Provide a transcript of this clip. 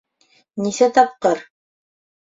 Нисә тапҡыр?